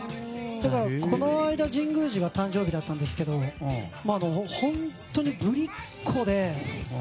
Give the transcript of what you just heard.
だから、この間神宮寺が誕生日でしたが本当にぶりっ子で。